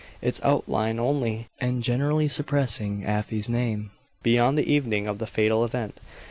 Its outline only; and generously suppressing Afy's name beyond the evening of the fatal event.